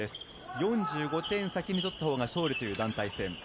４５点先に取ったほうが勝利という団体戦。